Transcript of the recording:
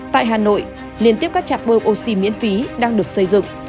tại hà nội liên tiếp các trạm bơm oxy miễn phí đang được xây dựng